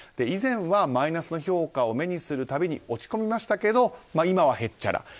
以前はマイナスの評価を目にする度落ち込みましたけど今はへっちゃら。